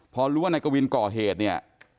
พอรู้ว่านายกวินก่อเหตุเนี่ย